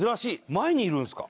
前にいるんですか？